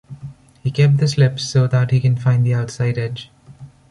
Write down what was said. He kept the slips so that he can find the outside edge.